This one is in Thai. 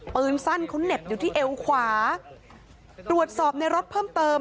ปืนสั้นเขาเหน็บอยู่ที่เอวขวาตรวจสอบในรถเพิ่มเติม